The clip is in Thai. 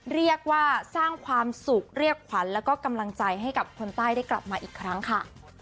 เรียกว่าสร้างความสุขเรียกขวัญแล้วก็กำลังใจให้กับคนใต้ได้กลับมาอีกครั้งค่ะ